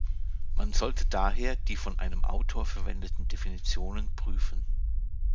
Man sollte daher die von einem Autor verwendeten Definitionen prüfen.